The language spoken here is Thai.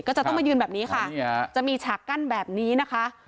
ก็จะต้องมายืนแบบนี้ค่ะจะมีฉากกั้นแบบนี้นะคะ